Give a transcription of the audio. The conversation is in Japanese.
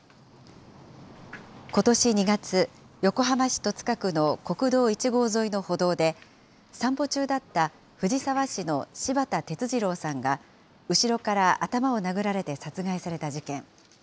ことし２月、横浜市戸塚区の国道１号沿いの歩道で、散歩中だった藤沢市の柴田哲二郎さんが、後ろから頭を殴られて殺害された事件。